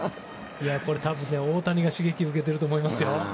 これは大谷が刺激を受けていると思います。